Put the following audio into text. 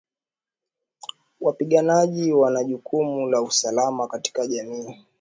Wapiganaji wana jukumu la usalama katika jamii